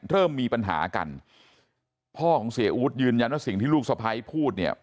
เริ่มมีปัญหากันพ่อของเสียอู๊ดยืนยันว่าสิ่งที่ลูกสะพ้ายพูดเนี่ย